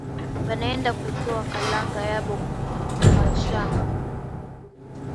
Banaenda kutosha kalanga yabo kumashamba